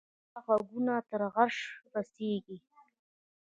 د دعا ږغونه تر عرشه رسېږي.